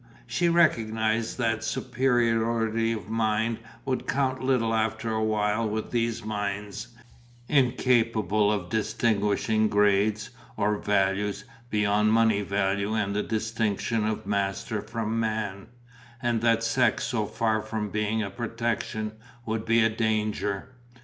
She recognised that superiority of mind would count little after a while with these minds, incapable of distinguishing grades, or values, beyond money value and the distinction of master from man, and that sex so far from being a protection would be a danger.